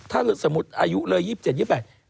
ถ้าสมมุติอายุเลย๒๗๒๘